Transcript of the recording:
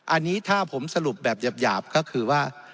อันนี้ถ้าผมสรุปแบบหยาบก็คือว่า